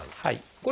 はい。